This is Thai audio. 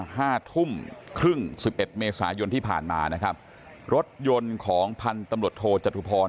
ห้าทุ่มครึ่งสิบเอ็ดเมษายนที่ผ่านมานะครับรถยนต์ของพันธุ์ตำรวจโทจตุพร